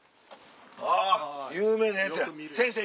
あぁ有名なやつや先生